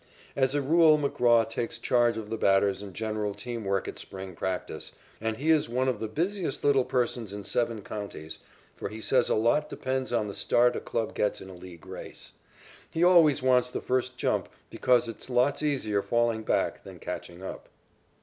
As a rule McGraw takes charge of the batters and general team work at spring practice, and he is one of the busiest little persons in seven counties, for he says a lot depends on the start a club gets in a league race. He always wants the first jump because it is lots easier falling back than catching up.